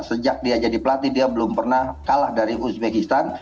sejak dia jadi pelatih dia belum pernah kalah dari uzbekistan